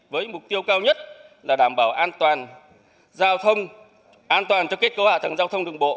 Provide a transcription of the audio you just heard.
với mục tiêu cao nhất là đảm bảo an toàn cho kết cấu hạ thẳng giao thông đường bộ